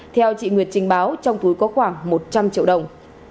theo chị nguyệt trình báo trong túi có khoảng một trăm linh triệu đồng